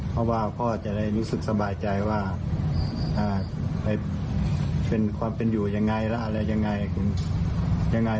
เพราะว่าก็จะได้รู้สึกสบายใจว่าไปเป็นความเป็นอยู่ยังไงแล้วอะไรยังไง